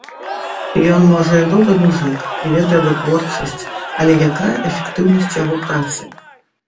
Ён, можа, і добры мужык, і ведае вытворчасць, але якая эфектыўнасць яго працы?